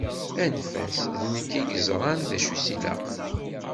Anef-as, d nekk i yeẓran d acu i as-ilaqen.